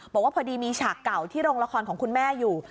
บอกว่าพอดีมีฉากเก่าที่โรงละครของคุณแม่อยู่